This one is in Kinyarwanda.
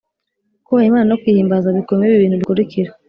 Kubaha Imana no kuyihimbaza bikubiyemo ibibintu bikurikira